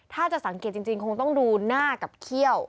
ถ้าจะสังเกตจริงคงต้องดูหน้ากับเขี้ยว